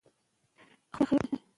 د نجونو تعليم د عامه اعتماد دوام ساتي.